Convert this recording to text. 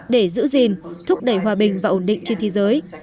để giữ gìn thúc đẩy hòa bình và ổn định trên thế giới